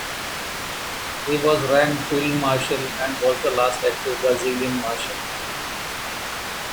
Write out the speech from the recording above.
He was ranked Field Marshal and was the last active Brazilian marshal.